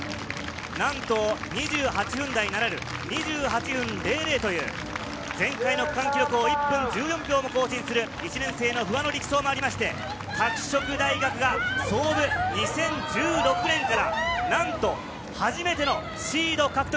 なんと２８分台ならぬ、２８分００という、前回の区間記録を１分１４秒も更新する１年生の不破の力走もあり、拓殖大が創部２０１６年からなんと初めてのシード獲得。